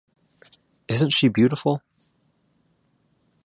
Isn't she beautiful?